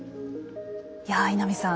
いや稲見さん